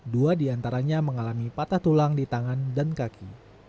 dua diantaranya mengalami patah tulang di tangan dan kaki